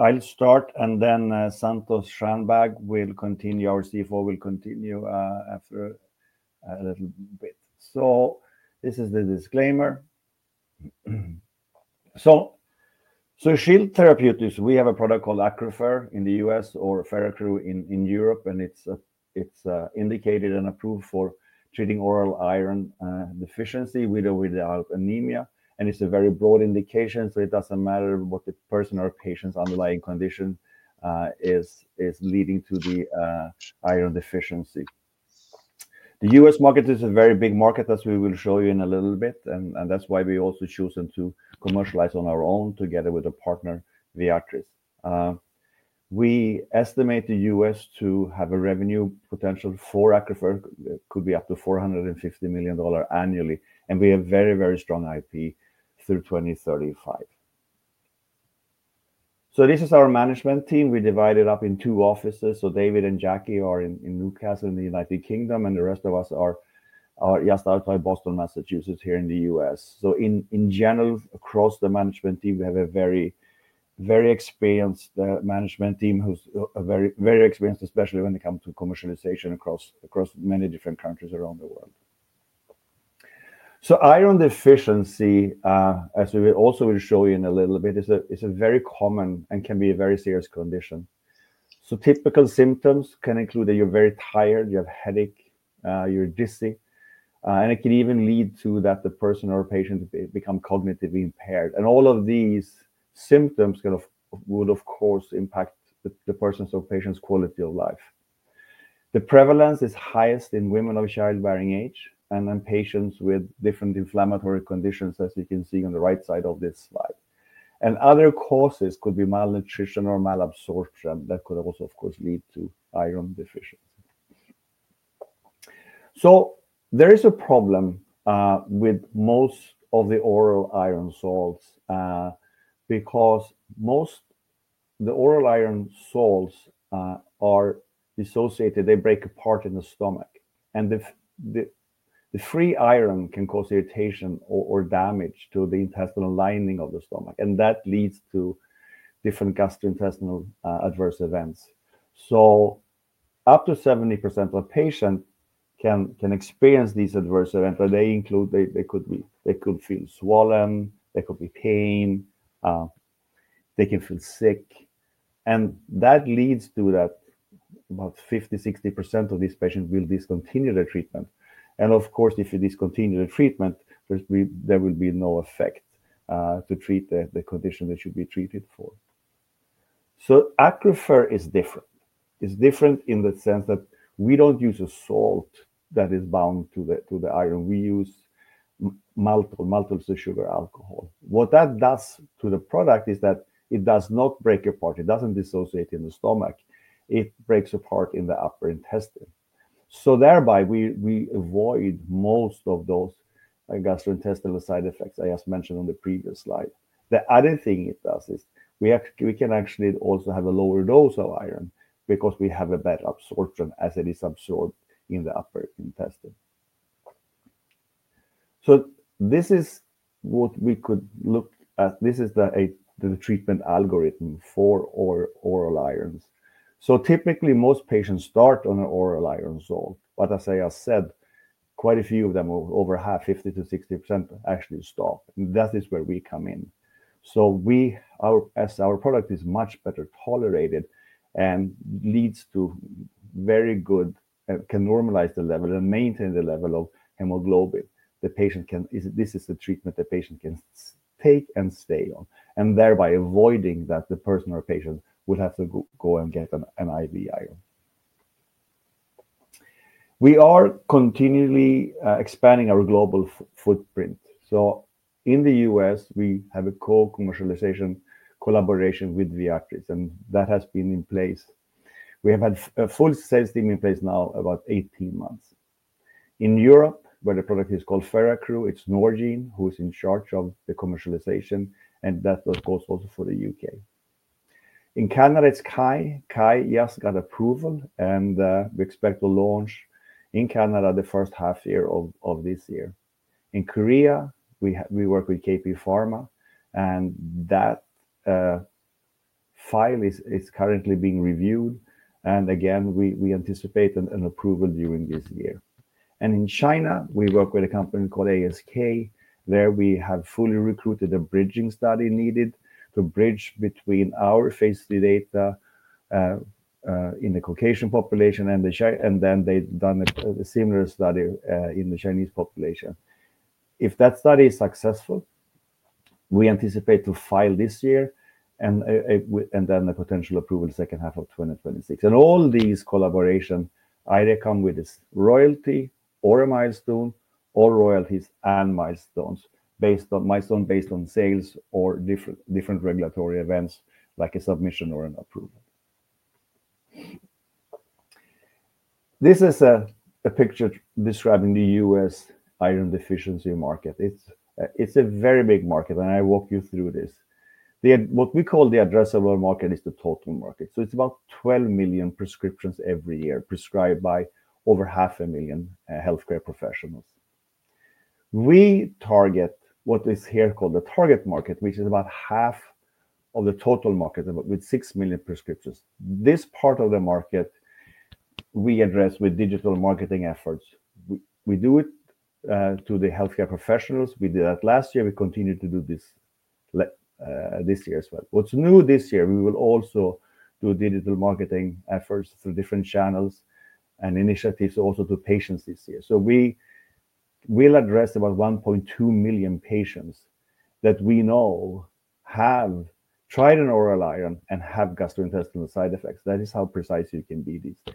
I'll start, and then Santosh Shanbhag will continue. Our CFO will continue after a little bit. This is the disclaimer. Shield Therapeutics, we have a product called ACCRUFeR in the, or FeRACCRU in Europe, and it's indicated and approved for treating oral iron deficiency with or without anemia. It's a very broad indication, so it doesn't matter what the person or patient's underlying condition is leading to the iron deficiency. The U.S. market is a very big market, as we will show you in a little bit, and that's why we also chose to commercialize on our own together with a partner, Viatris. We estimate the U.S. to have a revenue potential for ACCRUFeR; it could be up to $450 million annually, and we have very, very strong IP through 2035. This is our management team. We divide it up in two offices. David and Jackie are in Newcastle in the United Kingdom, and the rest of us are just outside Boston, Massachusetts, here in the U.S.. In general, across the management team, we have a very, very experienced management team who's very, very experienced, especially when it comes to commercialization across many different countries around the world. Iron deficiency, as we also will show you in a little bit, is a very common and can be a very serious condition. Typical symptoms can include that you're very tired, you have headache, you're dizzy, and it can even lead to that the person or patient becomes cognitively impaired. All of these symptoms kind of will, of course, impact the person's or patient's quality of life. The prevalence is highest in women of childbearing age and in patients with different inflammatory conditions, as you can see on the right side of this slide. Other causes could be malnutrition or malabsorption that could also, of course, lead to iron deficiency. There is a problem with most of the oral iron salts because most of the oral iron salts are dissociated; they break apart in the stomach. The free iron can cause irritation or damage to the intestinal lining of the stomach, and that leads to different gastrointestinal adverse events. Up to 70% of patients can experience these adverse events, but they include they could feel swollen, there could be pain, they can feel sick, and that leads to that about 50%-60% of these patients will discontinue their treatment. Of course, if you discontinue the treatment, there will be no effect to treat the condition that should be treated for. ACCRUFeR is different. It's different in the sense that we don't use a salt that is bound to the iron. We use maltol, maltol is a sugar alcohol. What that does to the product is that it does not break apart, it doesn't dissociate in the stomach. It breaks apart in the upper intestine. Thereby, we avoid most of those gastrointestinal side effects I just mentioned on the previous slide. The other thing it does is we can actually also have a lower dose of iron because we have a better absorption as it is absorbed in the upper intestine. This is what we could look at. This is the treatment algorithm for oral irons. Typically, most patients start on an oral iron salt, but as I said, quite a few of them, over half, 50%-60%, actually stop. That is where we come in. As our product is much better tolerated and leads to very good, can normalize the level and maintain the level of hemoglobin, the patient can, this is the treatment the patient can take and stay on, thereby avoiding that the person or patient would have to go and get an IV iron. We are continually expanding our global footprint. In the U.S., we have a co-commercialization collaboration with Viatris, and that has been in place. We have had a full sales team in place now about 18 months. In Europe, where the product is called FeRACCRU, it is Norgine who is in charge of the commercialization, and that, of course, also for the U.K.. In Canada, it's Kai. Kai just got approval, and we expect to launch in Canada the first half of this year. In South Korea, we work with KP Pharma, and that file is currently being reviewed. We anticipate an approval during this year. In China, we work with a company called ASK. There we have fully recruited a bridging study needed to bridge between our phase III data in the Caucasian population and then they've done a similar study in the Chinese population. If that study is successful, we anticipate to file this year and then the potential approval second half of 2026. All these collaborations either come with this royalty or a milestone, or royalties and milestones based on sales or different regulatory events like a submission or an approval. This is a picture describing the U.S. iron deficiency market. It's a very big market, and I walk you through this. What we call the addressable market is the total market. So it's about 12 million prescriptions every year prescribed by over half a million healthcare professionals. We target what is here called the target market, which is about half of the total market with 6 million prescriptions. This part of the market we address with digital marketing efforts. We do it to the healthcare professionals. We did that last year. We continue to do this this year as well. What's new this year, we will also do digital marketing efforts through different channels and initiatives also to patients this year. We will address about 1.2 million patients that we know have tried an oral iron and have gastrointestinal side effects. That is how precise you can be these days.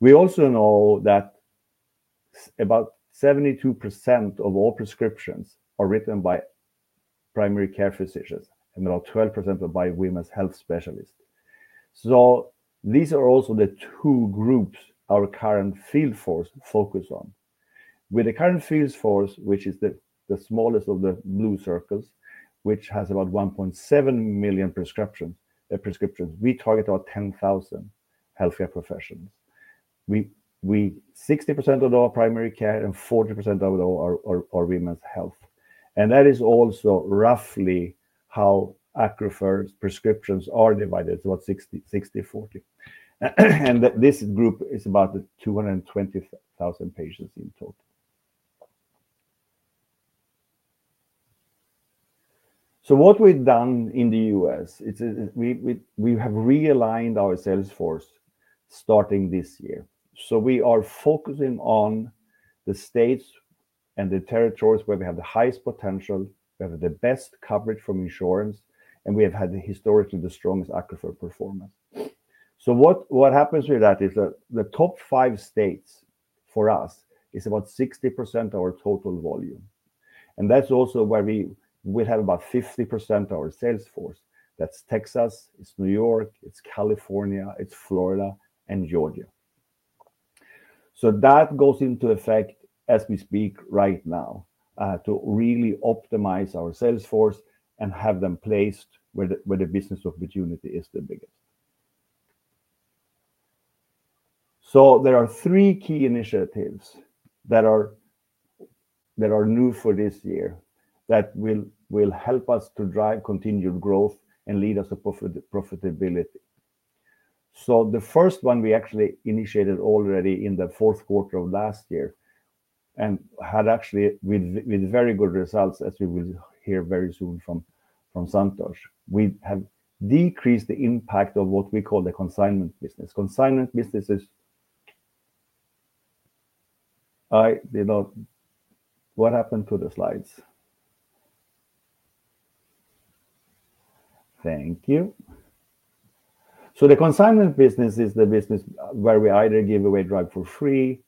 We also know that about 72% of all prescriptions are written by primary care physicians and about 12% are by women's health specialists. These are also the two groups our current field force focuses on. With the current field force, which is the smallest of the blue circles, which has about 1.7 million prescriptions, we target about 10,000 healthcare professionals. 60% of our primary care and 40% of our women's health. That is also roughly how ACCRUFeR's prescriptions are divided, about 60, 40. This group is about 220,000 patients in total. What we have done in the U.S., we have realigned our sales force starting this year. We are focusing on the states and the territories where we have the highest potential, we have the best coverage from insurance, and we have had historically the strongest ACCRUFeR performance. What happens with that is that the top five states for us is about 60% of our total volume. That is also where we will have about 50% of our sales force. That is Texas, New York, California, Florida, and Georgia. That goes into effect as we speak right now to really optimize our sales force and have them placed where the business opportunity is the biggest. There are three key initiatives that are new for this year that will help us to drive continued growth and lead us to profitability. The first one we actually initiated already in the fourth quarter of last year and had actually with very good results, as we will hear very soon from Santosh. We have decreased the impact of what we call the consignment business. Consignment business is, what happened to the slides? Thank you. The consignment business is the business where we either give away drugs for free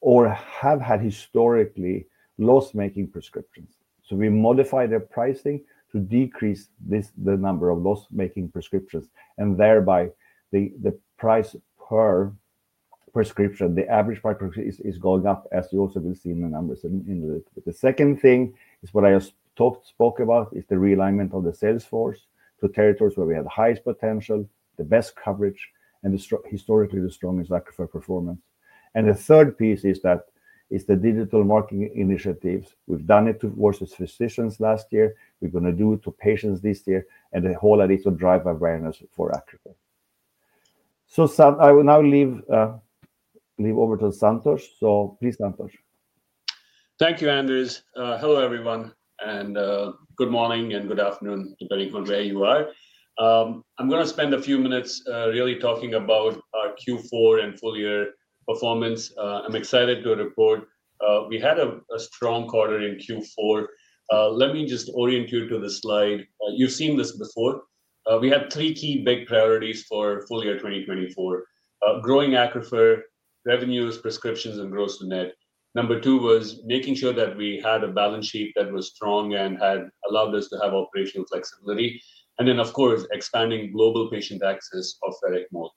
or have had historically loss-making prescriptions. We modify the pricing to decrease the number of loss-making prescriptions, and thereby the price per prescription, the average price per prescription is going up, as you also will see in the numbers in a little bit. The second thing is what I just spoke about is the realignment of the sales force to territories where we have the highest potential, the best coverage, and historically the strongest ACCRUFeR performance. The third piece is that is the digital marketing initiatives. We've done it towards the physicians last year. We're going to do it to patients this year and the whole idea to drive awareness for ACCRUFeR. I will now leave over to Santosh. Please, Santosh. Thank you, Anders. Hello everyone, and good morning and good afternoon, depending on where you are. I'm going to spend a few minutes really talking about our Q4 and full year performance. I'm excited to report we had a strong quarter in Q4. Let me just orient you to the slide. You've seen this before. We had three key big priorities for full year 2024: growing ACCRUFeR revenues, prescriptions, and gross net. Number two was making sure that we had a balance sheet that was strong and had allowed us to have operational flexibility. Of course, expanding global patient access of FeRACCRU.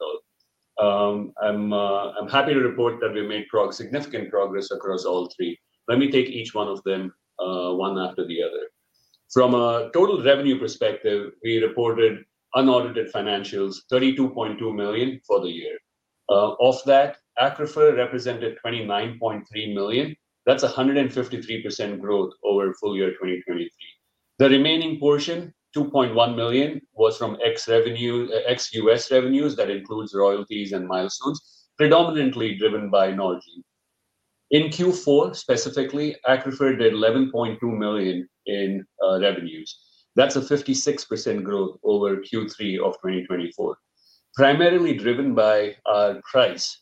I'm happy to report that we made significant progress across all three. Let me take each one of them one after the other. From a total revenue perspective, we reported unaudited financials, $32.2 million for the year. Of that, ACCRUFeR represented $29.3 million. That's 153% growth over full year 2023. The remaining portion, $2.1 million, was from ex-U.S. revenues. That includes royalties and milestones, predominantly driven by Norgine. In Q4, specifically, ACCRUFeR did $11.2 million in revenues. That's a 56% growth over Q3 of 2024, primarily driven by our price,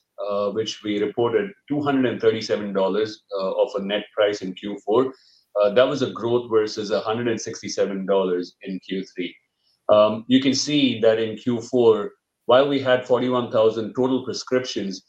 which we reported $237 of a net price in Q4. That was a growth versus $167 in Q3. You can see that in Q4, while we had 41,000 total prescriptions,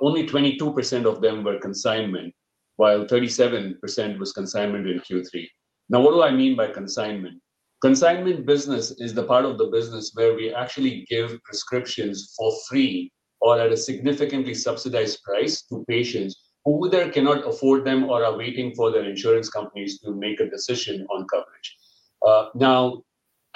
only 22% of them were consignment, while 37% was consignment in Q3. Now, what do I mean by consignment? Consignment business is the part of the business where we actually give prescriptions for free or at a significantly subsidized price to patients who either cannot afford them or are waiting for their insurance companies to make a decision on coverage. Now,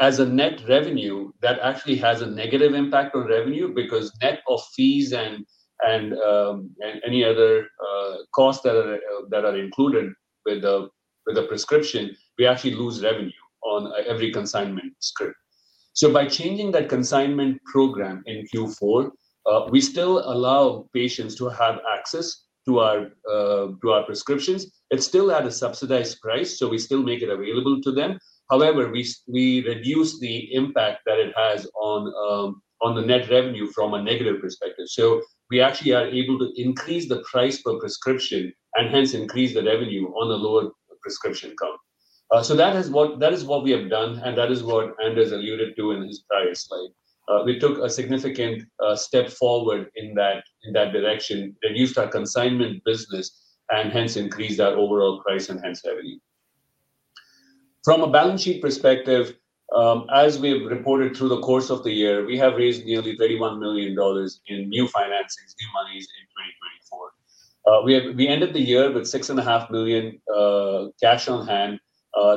as a net revenue, that actually has a negative impact on revenue because net of fees and any other costs that are included with a prescription, we actually lose revenue on every consignment script. By changing that consignment program in Q4, we still allow patients to have access to our prescriptions. It's still at a subsidized price, so we still make it available to them. However, we reduce the impact that it has on the net revenue from a negative perspective. We actually are able to increase the price per prescription and hence increase the revenue on the lower prescription count. That is what we have done, and that is what Anders alluded to in his prior slide. We took a significant step forward in that direction, reduced our consignment business, and hence increased our overall price and hence revenue. From a balance sheet perspective, as we've reported through the course of the year, we have raised nearly $31 million in new financing, new monies in 2024. We ended the year with $6.5 million cash on hand.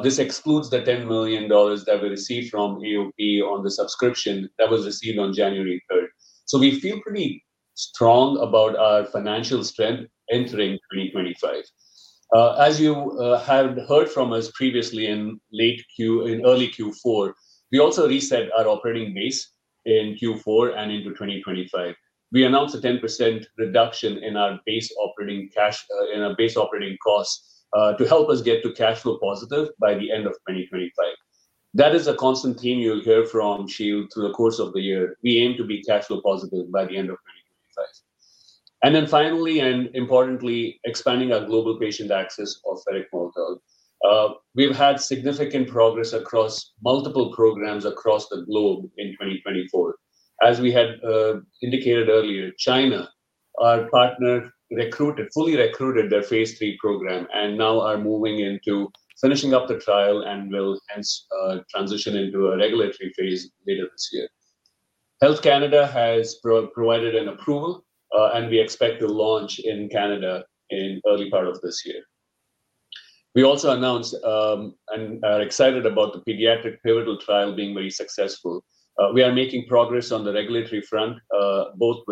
This excludes the $10 million that we received from AOP on the subscription that was received on January 3. We feel pretty strong about our financial strength entering 2025. As you have heard from us previously in early Q4, we also reset our operating base in Q4 and into 2025. We announced a 10% reduction in our base operating cash, in our base operating costs to help us get to cash flow positive by the end of 2025. That is a constant theme you'll hear from Shield through the course of the year. We aim to be cash flow positive by the end of 2025. Finally, and importantly, expanding our global patient access of FeRACCRU. We've had significant progress across multiple programs across the globe in 2024. As we had indicated earlier, China, our partner, fully recruited their phase III program and now are moving into finishing up the trial and will hence transition into a regulatory phase later this year. Health Canada has provided an approval, and we expect to launch in Canada in the early part of this year. We also announced and are excited about the pediatric pivotal trial being very successful. We are making progress on the regulatory front, both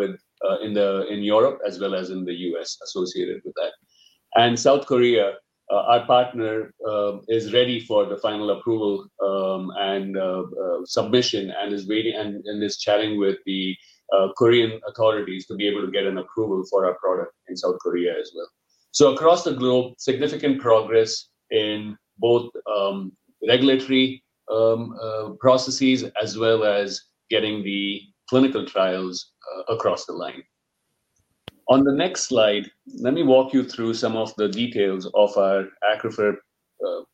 in Europe as well as in the U.S. associated with that. South Korea, our partner, is ready for the final approval and submission and is waiting and is chatting with the Korean authorities to be able to get an approval for our product in South Korea as well. Across the globe, significant progress in both regulatory processes as well as getting the clinical trials across the line. On the next slide, let me walk you through some of the details of our ACCRUFeR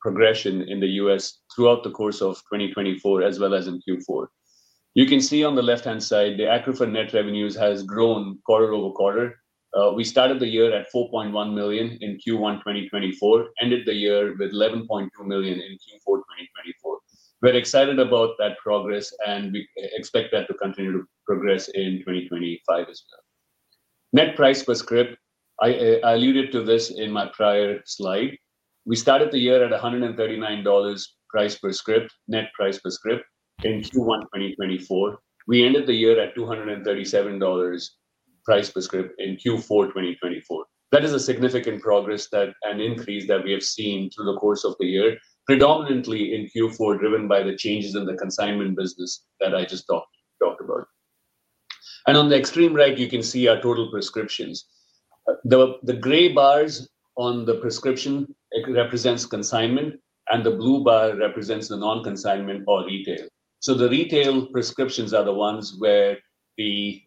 progression in the U.S. throughout the course of 2024 as well as in Q4. You can see on the left-hand side, the ACCRUFeR net revenues has grown quarter over quarter. We started the year at $4.1 million in Q1 2024, ended the year with $11.2 million in Q4 2024. We're excited about that progress, and we expect that to continue to progress in 2025 as well. Net price per script, I alluded to this in my prior slide. We started the year at $139 price per script, net price per script in Q1 2024. We ended the year at $237 price per script in Q4 2024. That is a significant progress and increase that we have seen through the course of the year, predominantly in Q4 driven by the changes in the consignment business that I just talked about. On the extreme right, you can see our total prescriptions. The gray bars on the prescription represent consignment, and the blue bar represents the non-consignment or retail. The retail prescriptions are the ones where the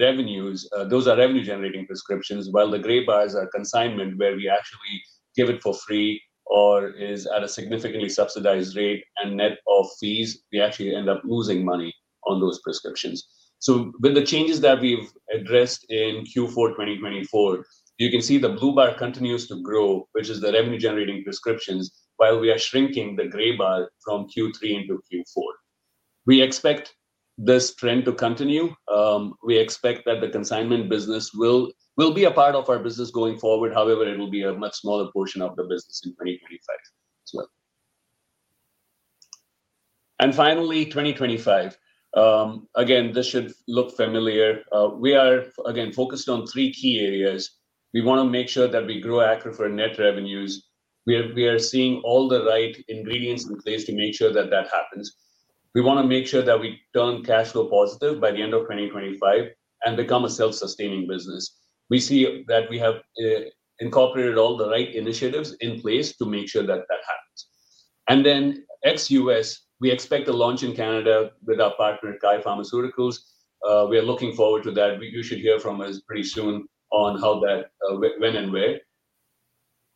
revenues, those are revenue-generating prescriptions, while the gray bars are consignment where we actually give it for free or is at a significantly subsidized rate and net of fees. We actually end up losing money on those prescriptions. With the changes that we've addressed in Q4 2024, you can see the blue bar continues to grow, which is the revenue-generating prescriptions, while we are shrinking the gray bar from Q3 into Q4. We expect this trend to continue. We expect that the consignment business will be a part of our business going forward. However, it will be a much smaller portion of the business in 2025 as well. Finally, 2025, again, this should look familiar. We are again focused on three key areas. We want to make sure that we grow ACCRUFeR net revenues. We are seeing all the right ingredients in place to make sure that that happens. We want to make sure that we turn cash flow positive by the end of 2025 and become a self-sustaining business. We see that we have incorporated all the right initiatives in place to make sure that that happens. Then ex-U.S., we expect a launch in Canada with our partner, Kai Pharmaceuticals. We are looking forward to that. You should hear from us pretty soon on how that went and where.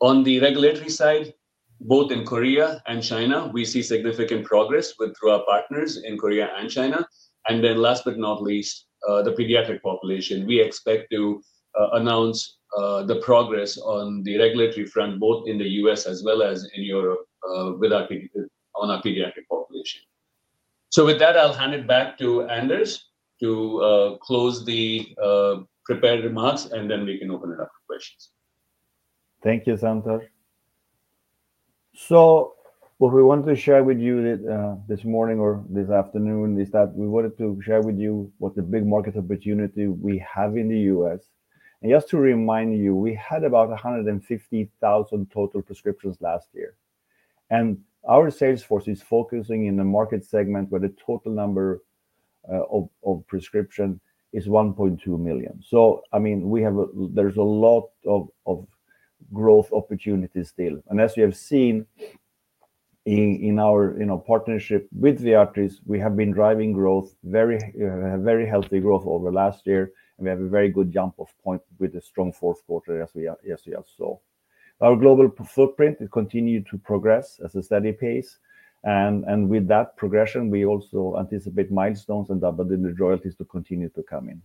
On the regulatory side, both in South Korea and China, we see significant progress through our partners in South Korea and China. Last but not least, the pediatric population. We expect to announce the progress on the regulatory front, both in the U.S. as well as in Europe on our pediatric population. With that, I'll hand it back to Anders to close the prepared remarks, and then we can open it up for questions. Thank you, Santosh. What we wanted to share with you this morning or this afternoon is that we wanted to share with you what the big market opportunity we have in the U.S.. Just to remind you, we had about 150,000 total prescriptions last year. Our sales force is focusing in the market segment where the total number of prescriptions is 1.2 million. I mean, there is a lot of growth opportunities still. As you have seen in our partnership with Viatris, we have been driving growth, very healthy growth over last year. We have a very good jump-off point with a strong fourth quarter as we have saw. Our global footprint is continuing to progress at a steady pace. With that progression, we also anticipate milestones and double digit royalties to continue to come in.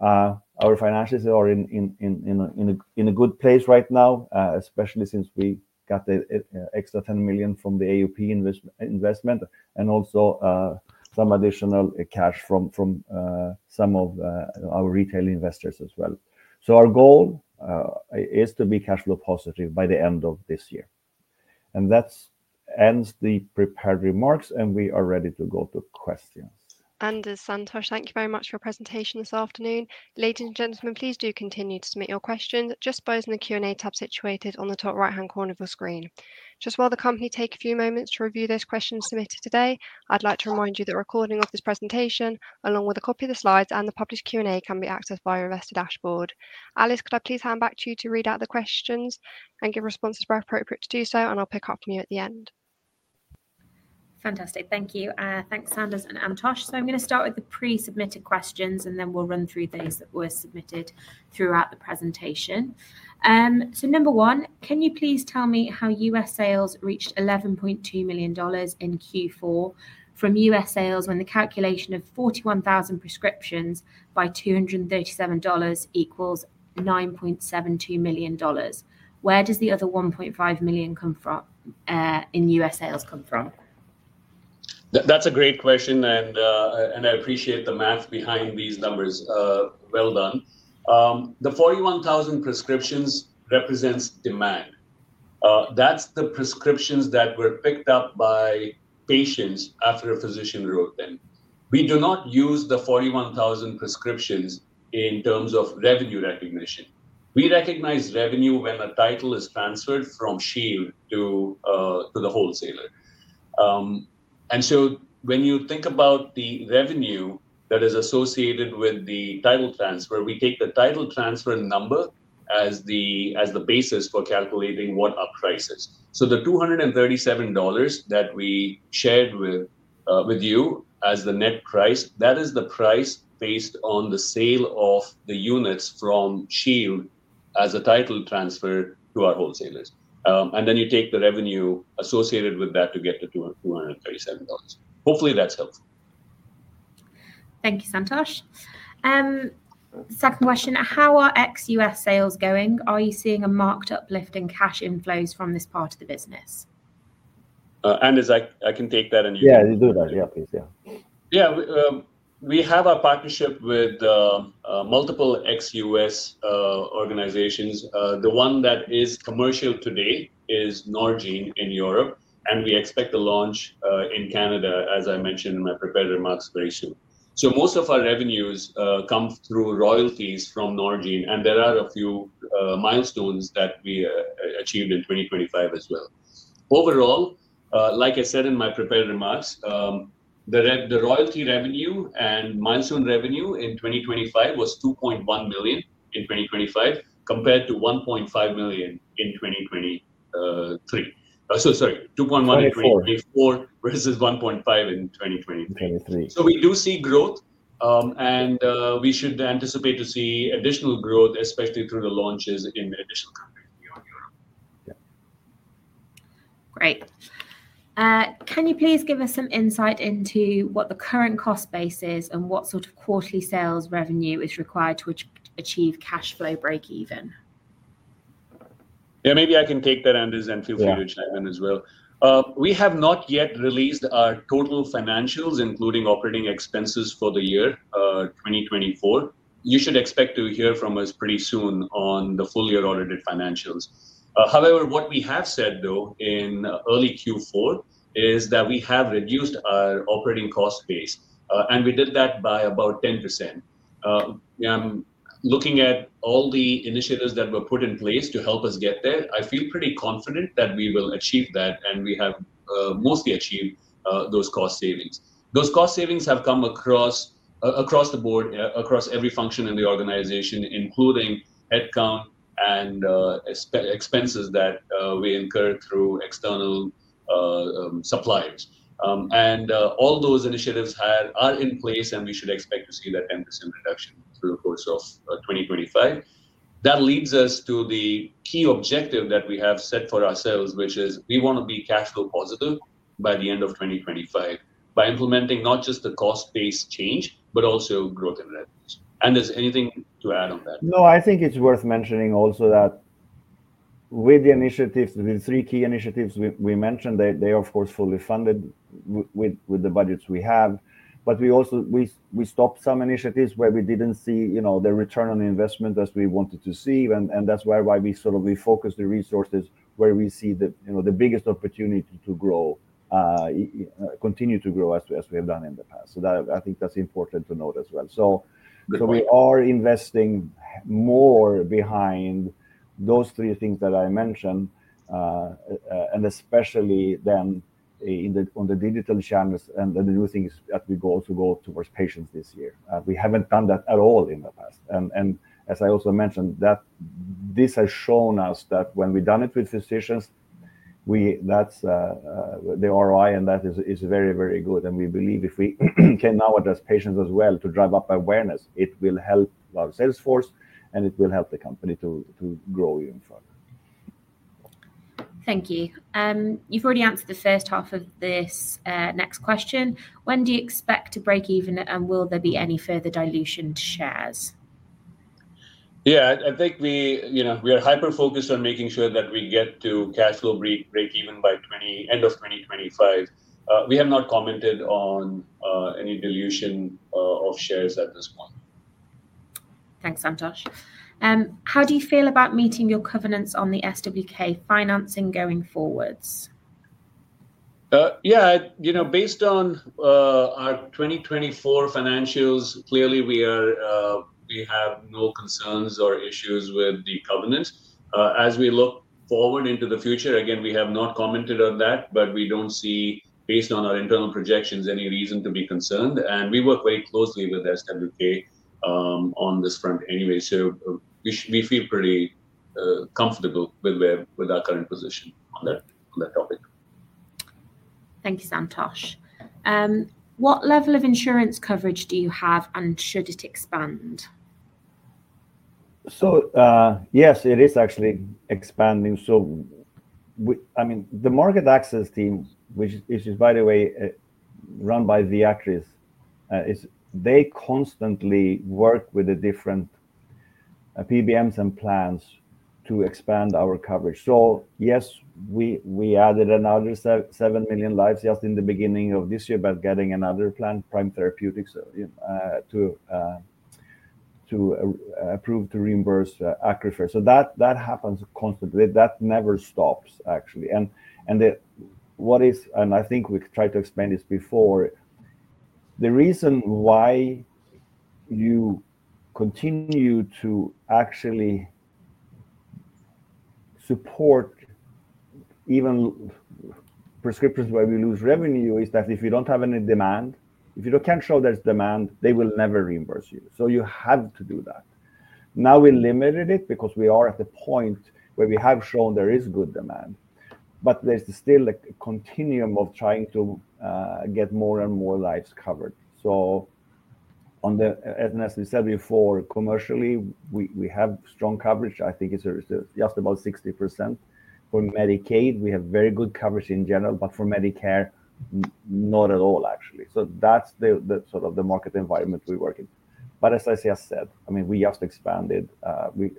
Our finances are in a good place right now, especially since we got the extra $10 million from the AOP investment and also some additional cash from some of our retail investors as well. Our goal is to be cash flow positive by the end of this year. That ends the prepared remarks, and we are ready to go to questions. Anders, Santosh, thank you very much for your presentation this afternoon. Ladies and gentlemen, please do continue to submit your questions just by using the Q&A tab situated on the top right-hand corner of your screen. While the company takes a few moments to review those questions submitted today, I'd like to remind you that the recording of this presentation, along with a copy of the slides and the published Q&A, can be accessed via our investor dashboard. Alice, could I please hand back to you to read out the questions and give responses where appropriate to do so, and I'll pick up from you at the end? Fantastic. Thank you. Thanks, Anders and Santosh. I am going to start with the pre-submitted questions, and then we will run through those that were submitted throughout the presentation. Number one, can you please tell me how U.S. sales reached $11.2 million in Q4 from U.S. sales when the calculation of 41,000 prescriptions by $237 equals $9.72 million? Where does the other $1.5 million in U.S. sales come from? That's a great question, and I appreciate the math behind these numbers. Well done. The 41,000 prescriptions represents demand. That's the prescriptions that were picked up by patients after a physician wrote them. We do not use the 41,000 prescriptions in terms of revenue recognition. We recognize revenue when a title is transferred from Shield to the wholesaler. When you think about the revenue that is associated with the title transfer, we take the title transfer number as the basis for calculating what our price is. The $237 that we shared with you as the net price, that is the price based on the sale of the units from Shield as a title transfer to our wholesalers. You take the revenue associated with that to get to $237. Hopefully, that's helpful. Thank you, Santosh. Second question, how are ex-U.S. sales going? Are you seeing a marked uplift in cash inflows from this part of the business? Anders, I can take that and you can. Yeah, you do that. Yeah, please. Yeah. Yeah. We have our partnership with multiple ex-U.S. organizations. The one that is commercial today is Norgine in Europe, and we expect the launch in Canada, as I mentioned in my prepared remarks, very soon. Most of our revenues come through royalties from Norgine, and there are a few milestones that we achieved in 2025 as well. Overall, like I said in my prepared remarks, the royalty revenue and milestone revenue in 2025 was $2.1 million in 2025 compared to $1.5 million in 2023. Sorry, $2.1 million in 2024 versus $1.5 million in 2023. We do see growth, and we should anticipate to see additional growth, especially through the launches in additional countries beyond Europe. Great. Can you please give us some insight into what the current cost base is and what sort of quarterly sales revenue is required to achieve cash flow break-even? Yeah, maybe I can take that, Anders, and feel free to chime in as well. We have not yet released our total financials, including operating expenses for the year 2024. You should expect to hear from us pretty soon on the full-year audited financials. However, what we have said, though, in early Q4 is that we have reduced our operating cost base, and we did that by about 10%. Looking at all the initiatives that were put in place to help us get there, I feel pretty confident that we will achieve that, and we have mostly achieved those cost savings. Those cost savings have come across the board, across every function in the organization, including headcount and expenses that we incur throlugh external suppliers. All those initiatives are in place, and we should expect to see that 10% reduction through the course of 2025. That leads us to the key objective that we have set for ourselves, which is we want to be cash flow positive by the end of 2025 by implementing not just the cost-based change, but also growth in revenues. Anders, anything to add on that? No, I think it's worth mentioning also that with the initiatives, the three key initiatives we mentioned, they are of course fully funded with the budgets we have. We also stopped some initiatives where we didn't see the return on investment as we wanted to see. That is why we focused the resources where we see the biggest opportunity to continue to grow as we have done in the past. I think that's important to note as well. We are investing more behind those three things that I mentioned, especially then on the digital channels and the new things that we also go towards patients this year. We haven't done that at all in the past. As I also mentioned, this has shown us that when we've done it with physicians, the ROI on that is very, very good. We believe if we can now address patients as well to drive up awareness, it will help our sales force and it will help the company to grow even further. Thank you. You've already answered the first half of this next question. When do you expect to break even and will there be any further dilution to shares? Yeah, I think we are hyper-focused on making sure that we get to cash flow break even by end of 2025. We have not commented on any dilution of shares at this point. Thanks, Santosh. How do you feel about meeting your covenants on the SWK financing going forwards? Yeah, based on our 2024 financials, clearly we have no concerns or issues with the covenants. As we look forward into the future, again, we have not commented on that, but we do not see, based on our internal projections, any reason to be concerned. We work very closely with SWK on this front anyway. We feel pretty comfortable with our current position on that topic. Thank you, Santosh. What level of insurance coverage do you have and should it expand? Yes, it is actually expanding. I mean, the market access team, which is, by the way, run by Viatris, constantly work with the different PBMs and plans to expand our coverage. Yes, we added another 7 million lives just in the beginning of this year by getting another plan, Prime Therapeutics, to approve to reimburse ACCRUFeR. That happens constantly. That never stops, actually. I think we've tried to explain this before, the reason why you continue to actually support even prescriptions where we lose revenue is that if you do not have any demand, if you cannot show there is demand, they will never reimburse you. You have to do that. Now we limited it because we are at the point where we have shown there is good demand, but there's still a continuum of trying to get more and more lives covered. As we said before, commercially, we have strong coverage. I think it's just about 60%. For Medicaid, we have very good coverage in general, but for Medicare, not at all, actually. That is sort of the market environment we work in. As I said, I mean, we just expanded.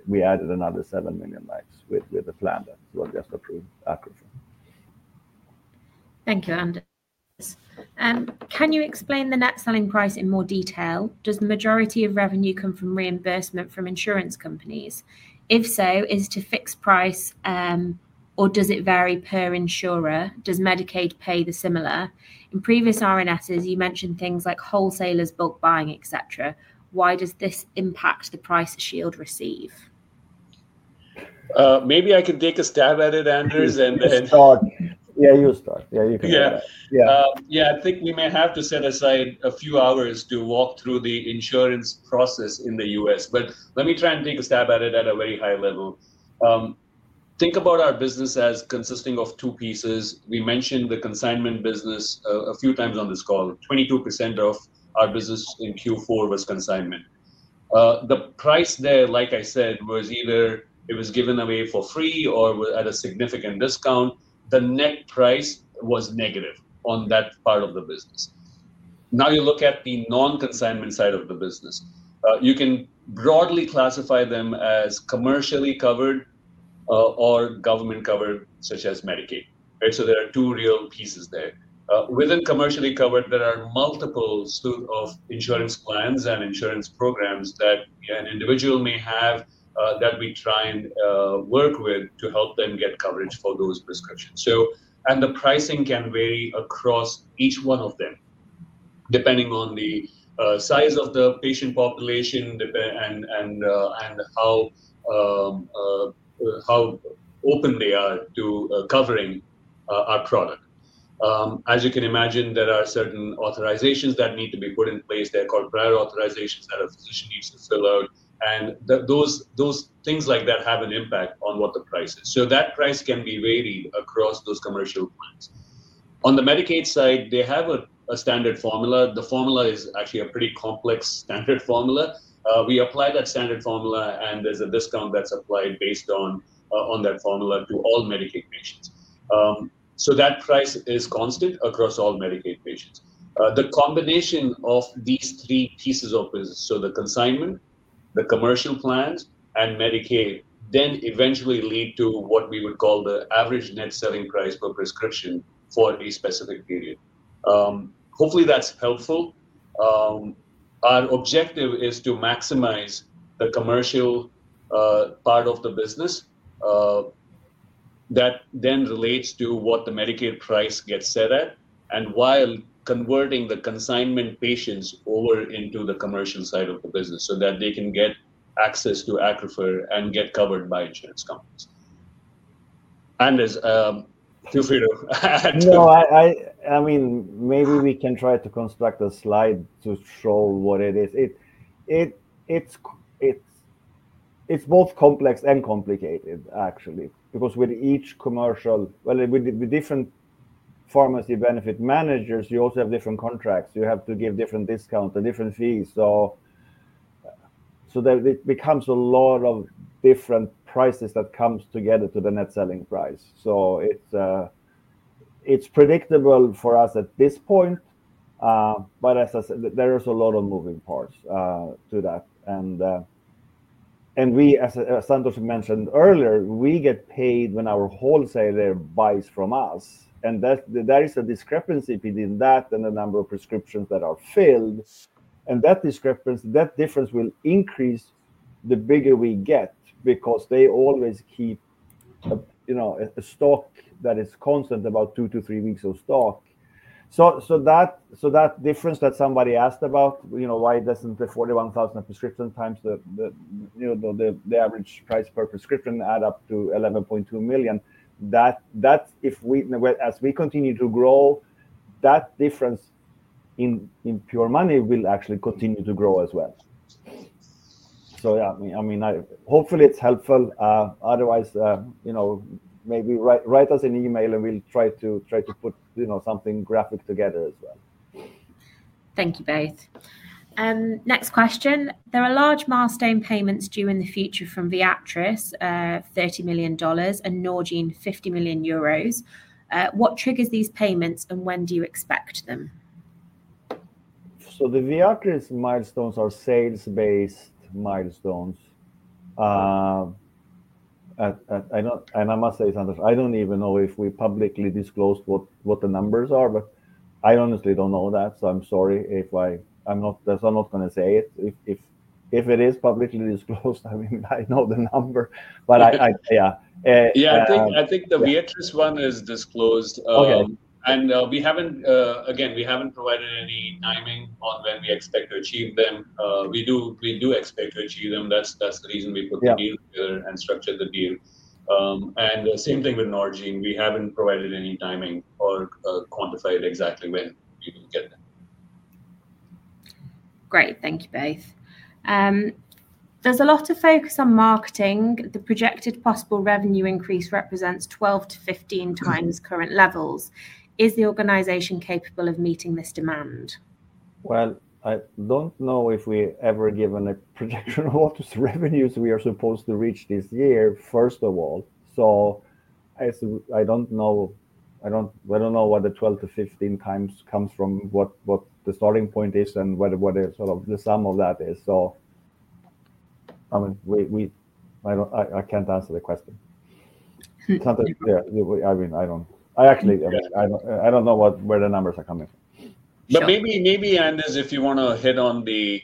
We added another 7 million lives with the plan that was just approved after. Thank you, Anders. Can you explain the net selling price in more detail? Does the majority of revenue come from reimbursement from insurance companies? If so, is it a fixed price, or does it vary per insurer? Does Medicaid pay the similar? In previous R&Ss, you mentioned things like wholesalers, bulk buying, etc. Why does this impact the price Shield receives? Maybe I can take a stab at it, Anders. You start. Yeah, you start. Yeah, you can do that. Yeah. Yeah, I think we may have to set aside a few hours to walk through the insurance process in the U.S.. Let me try and take a stab at it at a very high level. Think about our business as consisting of two pieces. We mentioned the consignment business a few times on this call. 22% of our business in Q4 was consignment. The price there, like I said, was either it was given away for free or at a significant discount. The net price was negative on that part of the business. Now you look at the non-consignment side of the business. You can broadly classify them as commercially covered or government covered, such as Medicaid. There are two real pieces there. Within commercially covered, there are multiple insurance plans and insurance programs that an individual may have that we try and work with to help them get coverage for those prescriptions. The pricing can vary across each one of them, depending on the size of the patient population and how open they are to covering our product. As you can imagine, there are certain authorizations that need to be put in place. They are called prior authorizations that a physician needs to fill out. Those things like that have an impact on what the price is. That price can be varied across those commercial plans. On the Medicaid side, they have a standard formula. The formula is actually a pretty complex standard formula. We apply that standard formula, and there is a discount that is applied based on that formula to all Medicaid patients. That price is constant across all Medicaid patients. The combination of these three pieces of business, the consignment, the commercial plans, and Medicaid, eventually lead to what we would call the average net selling price per prescription for a specific period. Hopefully, that's helpful. Our objective is to maximize the commercial part of the business that then relates to what the Medicaid price gets set at while converting the consignment patients over into the commercial side of the business so that they can get access to ACCRUFeR and get covered by insurance companies. Anders, feel free to add. No, I mean, maybe we can try to construct a slide to show what it is. It's both complex and complicated, actually, because with each commercial, well, with different pharmacy benefit managers, you also have different contracts. You have to give different discounts and different fees. It becomes a lot of different prices that come together to the net selling price. It's predictable for us at this point, but there are a lot of moving parts to that. We, as Santosh mentioned earlier, get paid when our wholesaler buys from us. There is a discrepancy between that and the number of prescriptions that are filled. That difference will increase the bigger we get because they always keep a stock that is constant, about two to three weeks of stock. That difference that somebody asked about, why doesn't the 41,000 prescription times the average price per prescription add up to $11.2 million, that if we, as we continue to grow, that difference in pure money will actually continue to grow as well. Yeah, I mean, hopefully, it's helpful. Otherwise, maybe write us an email and we'll try to put something graphic together as well. Thank you both. Next question. There are large milestone payments due in the future from Viatris, $30 million, and Norgine, 50 million euros. What triggers these payments and when do you expect them? The Viatris milestones are sales-based milestones. I must say, Santosh, I do not even know if we publicly disclosed what the numbers are, but I honestly do not know that. I am sorry if I am not going to say it. If it is publicly disclosed, I mean, I know the number, but yeah. Yeah, I think the Viatris one is disclosed. We haven't provided any timing on when we expect to achieve them. We do expect to achieve them. That's the reason we put the deal together and structured the deal. Same thing with Norgine. We haven't provided any timing or quantified exactly when we will get them. Great. Thank you both. There's a lot of focus on marketing. The projected possible revenue increase represents 12-15 times current levels. Is the organization capable of meeting this demand? I don't know if we're ever given a prediction of what revenues we are supposed to reach this year, first of all. I don't know. I don't know what the 12-15 times comes from, what the starting point is, and what sort of the sum of that is. I mean, I can't answer the question. I mean, I don't actually, I don't know where the numbers are coming from. Maybe, Anders, if you want to hit on the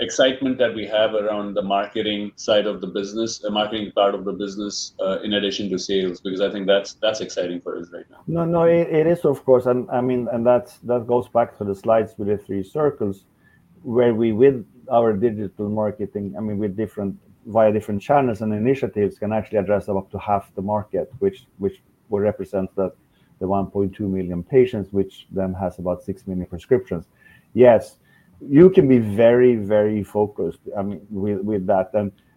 excitement that we have around the marketing side of the business, the marketing part of the business in addition to sales, because I think that's exciting for us right now. No, no, it is, of course. I mean, and that goes back to the slides with the three circles where we, with our digital marketing, I mean, via different channels and initiatives, can actually address up to half the market, which represents the 1.2 million patients, which then has about 6 million prescriptions. Yes, you can be very, very focused with that.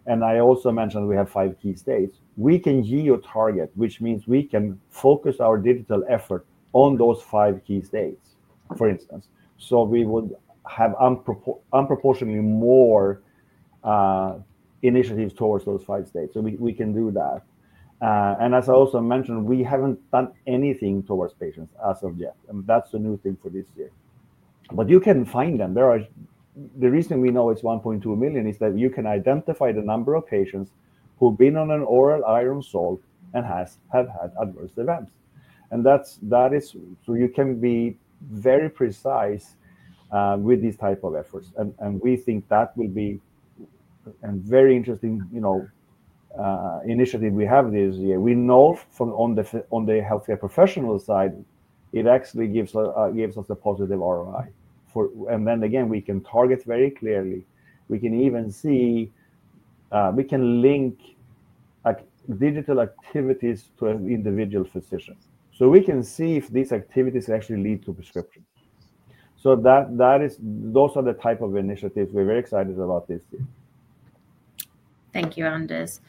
I also mentioned we have five key states. We can geotarget, which means we can focus our digital effort on those five key states, for instance. We would have unproportionately more initiatives towards those five states. We can do that. As I also mentioned, we haven't done anything towards patients as of yet. That is the new thing for this year. You can find them. The reason we know it's 1.2 million is that you can identify the number of patients who've been on an oral iron salt and have had adverse events. You can be very precise with these types of efforts. We think that will be a very interesting initiative we have this year. We know from on the healthcare professional side, it actually gives us a positive ROI. Again, we can target very clearly. We can even see we can link digital activities to individual physicians. We can see if these activities actually lead to prescriptions. Those are the types of initiatives we're very excited about this year. Thank you, Anders.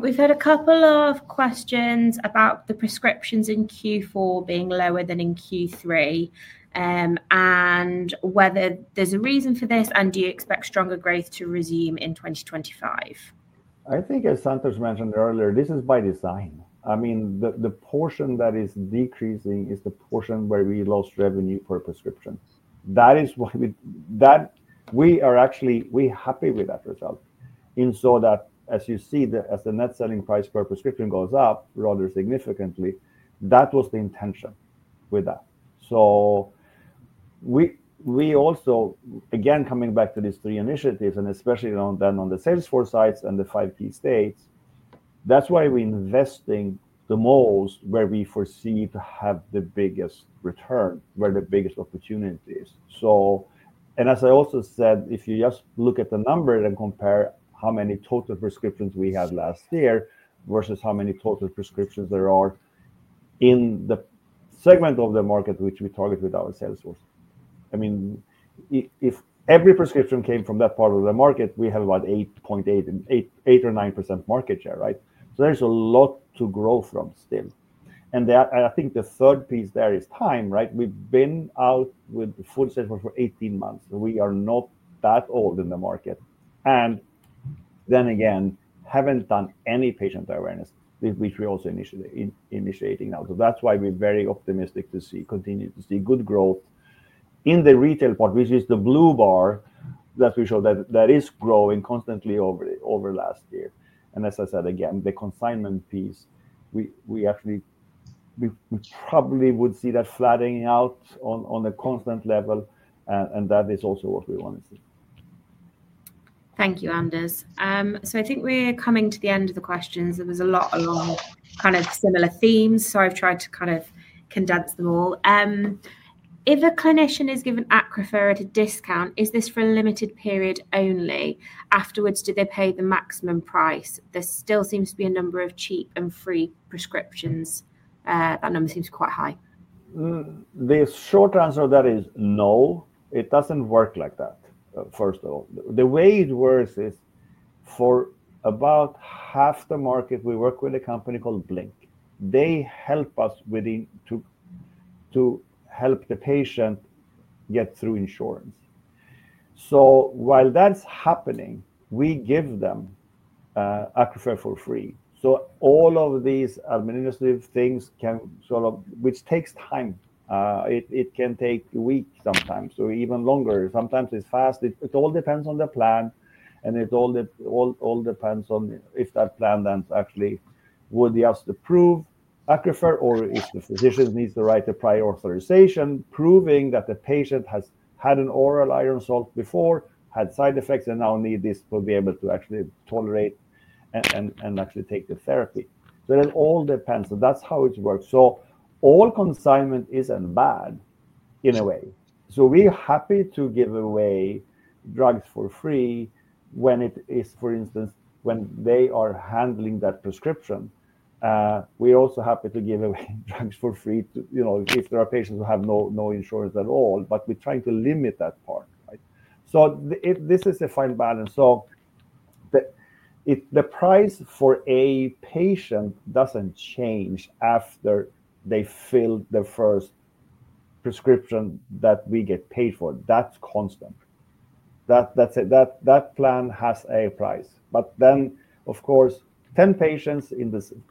We've had a couple of questions about the prescriptions in Q4 being lower than in Q3 and whether there's a reason for this and do you expect stronger growth to resume in 2025? I think, as Santosh mentioned earlier, this is by design. I mean, the portion that is decreasing is the portion where we lost revenue per prescription. That is why we are actually happy with that result. As you see, as the net selling price per prescription goes up rather significantly, that was the intention with that. We also, again, coming back to these three initiatives, and especially then on the Salesforce sites and the five key states, that's why we're investing the most where we foresee to have the biggest return, where the biggest opportunity is. As I also said, if you just look at the numbers and compare how many total prescriptions we had last year versus how many total prescriptions there are in the segment of the market which we target with our Salesforce. I mean, if every prescription came from that part of the market, we have about 8.8% or 9% market share, right? There is a lot to grow from still. I think the third piece there is time, right? We have been out with full Salesforce for 18 months. We are not that old in the market. We have not done any patient awareness, which we are also initiating now. That is why we are very optimistic to continue to see good growth in the retail part, which is the blue bar that we show that is growing constantly over the last year. As I said, again, the consignment piece, we actually probably would see that flattening out on a constant level. That is also what we want to see. Thank you, Anders. I think we're coming to the end of the questions. There was a lot along kind of similar themes, so I've tried to kind of condense them all. If a clinician is given ACCRUFeR at a discount, is this for a limited period only? Afterwards, do they pay the maximum price? There still seems to be a number of cheap and free prescriptions. That number seems quite high. The short answer to that is no. It does not work like that, first of all. The way it works is for about half the market, we work with a company called Blink. They help us to help the patient get through insurance. While that is happening, we give them ACCRUFeR for free. All of these administrative things can sort of, which takes time. It can take a week sometimes or even longer. Sometimes it is fast. It all depends on the plan. It all depends on if that plan then actually would just approve ACCRUFeR or if the physician needs to write a prior authorization proving that the patient has had an oral iron salt before, had side effects, and now needs this to be able to actually tolerate and actually take the therapy. It all depends. That is how it works. All consignment is not bad in a way. We are happy to give away drugs for free when it is, for instance, when they are handling that prescription. We are also happy to give away drugs for free if there are patients who have no insurance at all. We are trying to limit that part, right? This is a fine balance. The price for a patient does not change after they fill the first prescription that we get paid for. That is constant. That plan has a price. Then, of course, 10 patients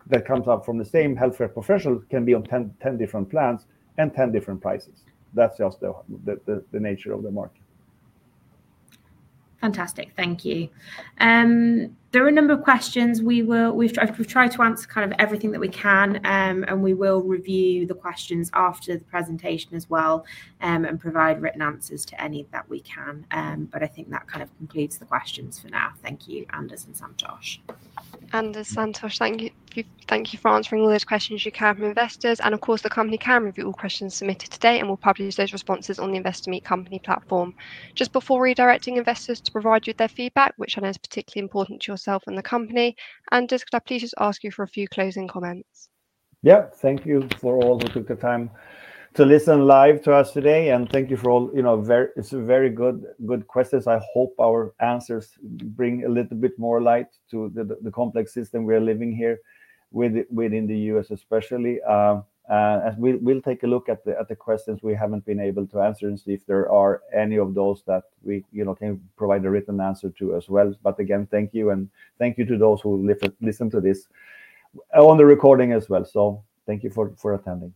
that come up from the same healthcare professional can be on 10 different plans and 10 different prices. That is just the nature of the market. Fantastic. Thank you. There are a number of questions. We've tried to answer kind of everything that we can. We will review the questions after the presentation as well and provide written answers to any that we can. I think that kind of concludes the questions for now. Thank you, Anders and Santosh. Anders, Santosh, thank you for answering all those questions you came from investors. Of course, the company can review all questions submitted today and will publish those responses on the Investor Meet Company platform. Just before redirecting investors to provide you with their feedback, which I know is particularly important to yourself and the company, Anders, could I please just ask you for a few closing comments? Yeah, thank you for all who took the time to listen live to us today. Thank you for all. It's very good questions. I hope our answers bring a little bit more light to the complex system we are living here within the U.S., especially. We will take a look at the questions we haven't been able to answer and see if there are any of those that we can provide a written answer to as well. Again, thank you. Thank you to those who listened to this on the recording as well. Thank you for attending.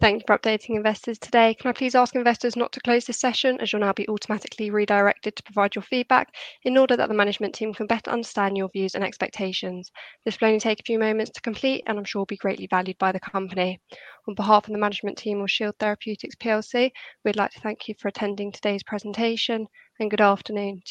Thank you for updating investors today. Can I please ask investors not to close this session as you will now be automatically redirected to provide your feedback in order that the management team can better understand your views and expectations? This will only take a few moments to complete, and I am sure will be greatly valued by the company. On behalf of the management team of Shield Therapeutics, we would like to thank you for attending today's presentation. Good afternoon.